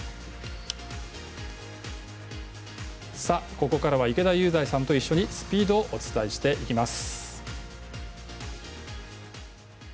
ここからは池田雄大さんと一緒にスピードをお伝えしていきます。